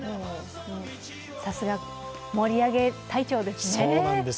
さすが、盛り上げ隊長ですね。